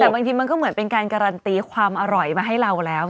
แต่บางทีมันก็เหมือนเป็นการการันตีความอร่อยมาให้เราแล้ว